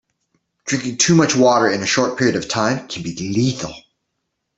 Drinking too much water in a short period of time can be lethal.